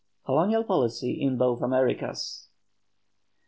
COLONIAL POLICY IN BOTH AMERICAS.